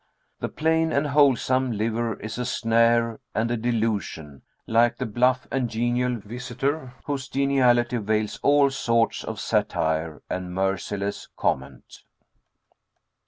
The "plain and wholesome" liver is a snare and a delusion, like the "bluff and genial" visitor whose geniality veils all sorts of satire and merciless comment.